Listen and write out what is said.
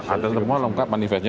ada semua lengkap manifestnya